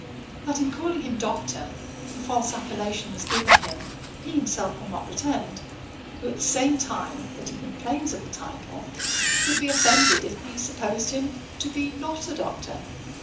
That in calling him Doctor, a false appellation was given him, he himself will not pretend, who at the same time that he complains of the title, would be offended if we supposed him to be not a Doctor.